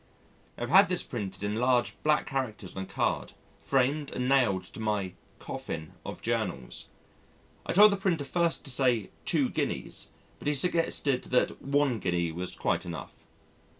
I have had this printed in large black characters on a card, framed and nailed to my "coffin" of Journals. I told the printer first to say Two Guineas, but he suggested that One Guinea was quite enough.